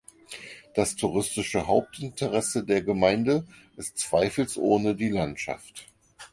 Das touristische Hauptinteresse der Gemeinde ist zweifelsohne die Landschaft.